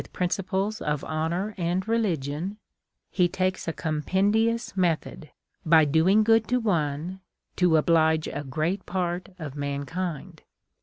XVU principles of honor and religion, he takes a compendious method, by doing good to one, to oblige a great part of mankind."